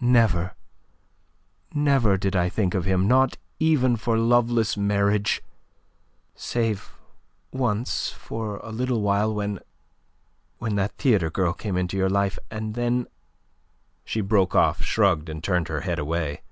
Never, never did I think of him, not even for loveless marriage, save once for a little while, when... when that theatre girl came into your life, and then..." She broke off, shrugged, and turned her head away.